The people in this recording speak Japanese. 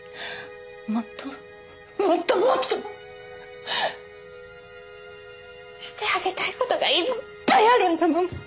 もっともっともっと！してあげたいことがいっぱいあるんだもん。